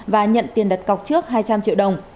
và nhận tiền đặt cọc trước hai trăm linh triệu đồng